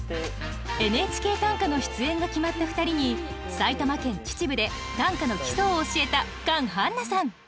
「ＮＨＫ短歌」の出演が決まった２人に埼玉県秩父で短歌の基礎を教えたカン・ハンナさん